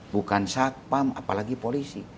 bukan satpam apalagi polisi